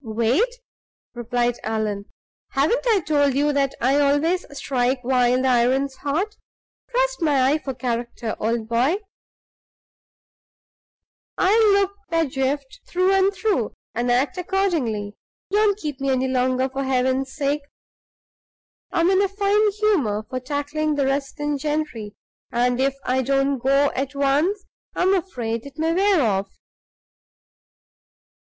"Wait!" replied Allan. "Haven't I told you that I always strike while the iron's hot? Trust my eye for character, old boy, I'll look Pedgift through and through, and act accordingly. Don't keep me any longer, for Heaven's sake. I'm in a fine humor for tackling the resident gentry; and if I don't go at once, I'm afraid it may wear off."